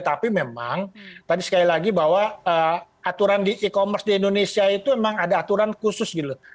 tapi memang tadi sekali lagi bahwa aturan di e commerce di indonesia itu memang ada aturan khusus gitu